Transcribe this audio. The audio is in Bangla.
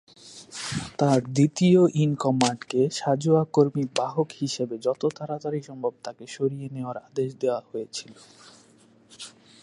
তাঁর দ্বিতীয়-ইন-কমান্ডকে সাঁজোয়া কর্মী বাহক হিসাবে যত তাড়াতাড়ি সম্ভব তাকে সরিয়ে নেওয়ার আদেশ দেওয়া হয়েছিল।